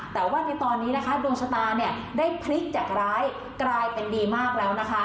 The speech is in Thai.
แต่ว่าในตอนนี้นะคะดวงชะตาเนี่ยได้พลิกจากร้ายกลายเป็นดีมากแล้วนะคะ